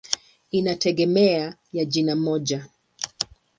Inategemea ya jina moja.